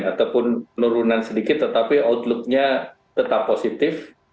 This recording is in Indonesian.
ataupun penurunan sedikit tetapi outlooknya tetap positif